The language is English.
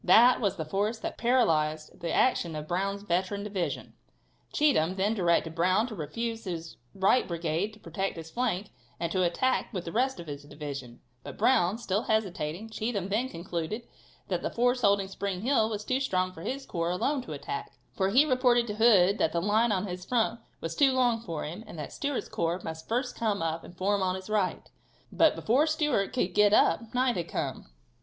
That was the force that paralyzed the action of Brown's veteran division. Cheatham then directed Brown to refuse his right brigade to protect his flank, and to attack with the rest of his division, but Brown, still hesitating, Cheatham then concluded that the force holding Spring Hill was too strong for his corps alone to attack, for he reported to Hood that the line in his front was too long for him, and that Stewart's corps must first come up and form on his right. But before Stewart could get up, night had come.